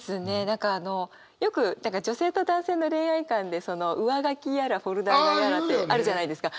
何かあのよく女性と男性の恋愛観で上書きやらフォルダーやらってあるじゃないですか。